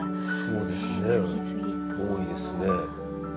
そうですね多いですね。